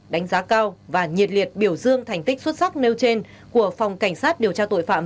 đánh giá cao và nhiệt liệt biểu dương thành tích xuất sắc nêu trên của phòng cảnh sát điều tra tội phạm